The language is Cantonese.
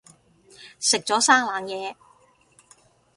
食咗生冷嘢